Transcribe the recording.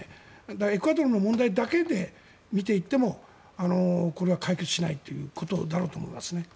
エクアドルの問題だけで見ていってもこれは解決しないということだろうと思います。